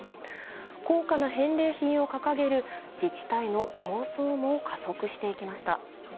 高価な返礼品を掲げる自治体の競争も加速していきました。